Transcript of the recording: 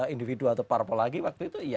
individu atau parpo lagi waktu itu ya